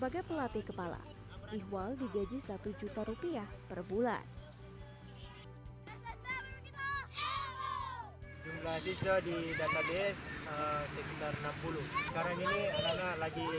dan kelas klinikannya kita di sini biasa dari juran tiga menara nara